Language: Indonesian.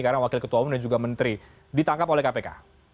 karena wakil ketua umno dan juga menteri ditangkap oleh kpk